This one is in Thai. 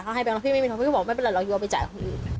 ค้าให้ให้ไปมีเงินพี่ก็บอกไม่เป็นไรเขาย่อไปจ่ายของอื่น